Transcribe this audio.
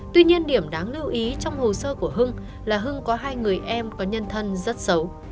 tuy nhiên điểm đáng lưu ý trong hồ sơ của hưng là hưng có hai người em có nhân thân rất xấu